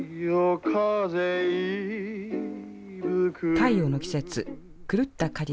「太陽の季節」「狂った果実」。